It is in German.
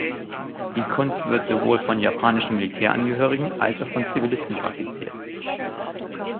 Die Kunst wird sowohl von japanischen Militärangehörigen als auch von Zivilisten praktiziert.